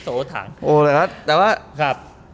โอ้เหรอครับแต่ว่า